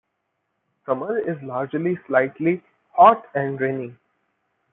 Summer is largely slightly hot and rainy.